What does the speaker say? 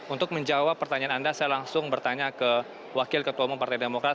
untuk menjawab pertanyaan anda saya langsung bertanya ke wakil ketua umum partai demokrat